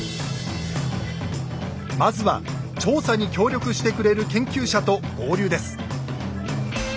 まずは調査に協力してくれる研究者と合流です。